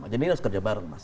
jadi harus kerja bareng mas